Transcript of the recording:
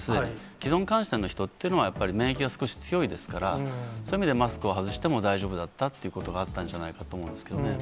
既存感染の人というのは、やっぱり免疫が少し強いですから、そういう意味でマスクを外しても大丈夫だったということがあったんじゃないかと思うんですけれどもね。